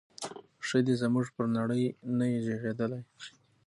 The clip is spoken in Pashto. ښه دی زموږ پر نړۍ نه یې زیږیدلی